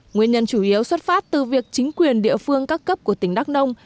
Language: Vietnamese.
nguyên nhân chủ yếu xuất phát từ việc chính quyền địa phương các cấp của tỉnh đắk nông